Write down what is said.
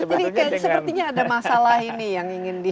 jadi sepertinya ada masalah ini yang ingin di